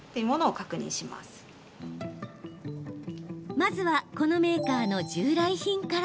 まずはこのメーカーの従来品から。